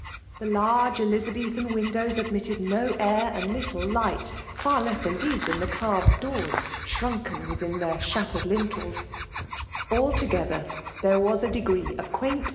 ;^ rth« large^l^li^aliethan windows admitted noairiMEi4. li^lo. lights — ^far less indeed thaathe carifed > dQor^ shrunken within their shattered liatefe^ Altogether, there was a degree of %uai«t.